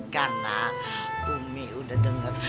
karena umi udah denger